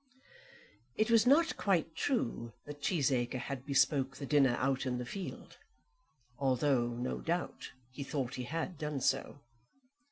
It was not quite true that Cheesacre had bespoke the dinner out in the field, although no doubt he thought he had done so.